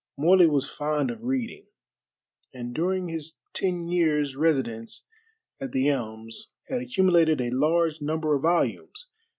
Morley was fond of reading, and during his ten years' residence at The Elms had accumulated a large number of volumes.